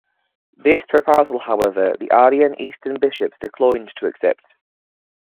This proposal, however, the Arian Eastern bishops declined to accept.